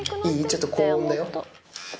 ちょっと高音だよ。